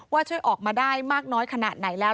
ช่วยออกมาได้มากน้อยขนาดไหนแล้ว